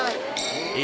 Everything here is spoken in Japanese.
え？